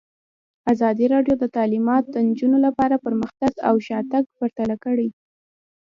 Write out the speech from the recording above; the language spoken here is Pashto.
ازادي راډیو د تعلیمات د نجونو لپاره پرمختګ او شاتګ پرتله کړی.